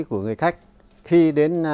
của người khách khi đến